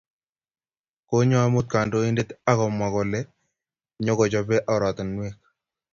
Konyo amut kandoindet ak komwa kole nyokochobe oratunwek